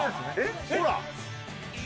ほら！